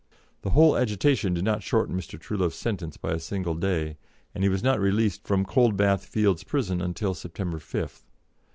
The whole agitation did not shorten Mr. Truelove's sentence by a single day, and he was not released from Coldbath Fields Prison until September 5th.